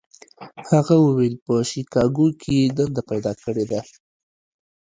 هغه وویل په شیکاګو کې یې دنده پیدا کړې ده.